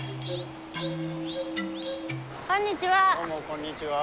こんにちは。